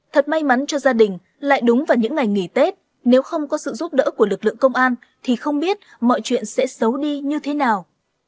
thật may mắn cho gia đình lại đúng vào những ngày nghỉ tết nếu không có sự giúp đỡ của lực lượng công an thì không biết mọi chuyện sẽ xấu đi như thế nào